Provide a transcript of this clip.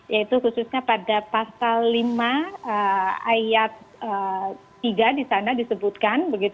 yaitu khususnya pada pasal lima ayat tiga disana disebutkan